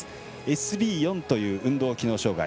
ＳＢ４という運動機能障がい。